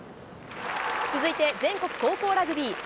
続いて、全国高校ラグビー。